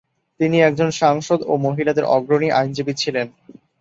তিনি একজন সাংসদ ও মহিলাদের অগ্রণী আইনজীবী ছিলেন।